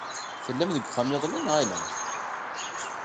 Tellam deg uxxam iḍelli, neɣ ala?